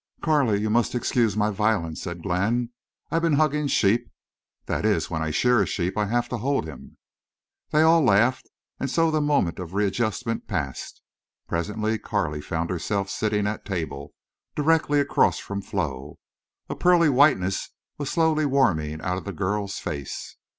"Carley, you must excuse my violence," said Glenn. "I've been hugging sheep. That is, when I shear a sheep I have to hold him." They all laughed, and so the moment of readjustment passed. Presently Carley found herself sitting at table, directly across from Flo. A pearly whiteness was slowly warming out of the girl's face.